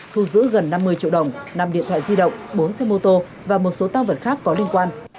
thu giữ gần năm mươi triệu đồng năm điện thoại di động bốn xe mô tô và một số tam vật khác có liên quan